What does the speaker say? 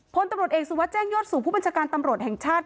พลตำรวจเอกสุวัสดิแจ้งยอดสู่ผู้บัญชาการตำรวจแห่งชาติ